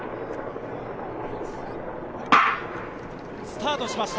スタートしました。